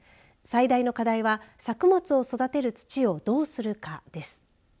最大の課題は作物を育てる土をどうするかです。